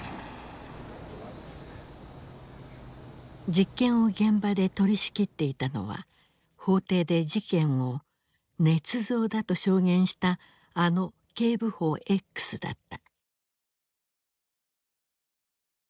実験を現場で取りしきっていたのは法廷で事件をねつ造だと証言したあの警部補Ｘだった。